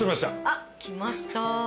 あっ来ました。